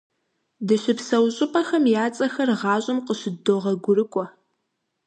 Дыщыпсэу щӀыпӀэхэм я цӀэхэр гъащӀэм къыщыддогъуэгурыкӀуэ.